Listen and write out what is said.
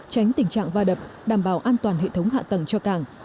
tránh tình trạng va đập đảm bảo an toàn hệ thống hạ tầng cho cảng